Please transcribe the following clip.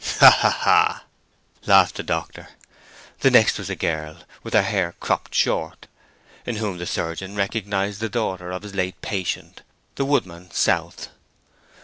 "Ha! ha! ha!" laughed the doctor. The next was a girl, with her hair cropped short, in whom the surgeon recognized the daughter of his late patient, the woodman South.